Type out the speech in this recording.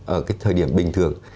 ở cái thời điểm bình thường